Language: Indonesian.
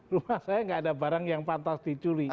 rumah saya nggak ada barang yang pantas diculi